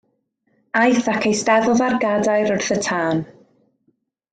Aeth ac eisteddodd ar gadair wrth y tân.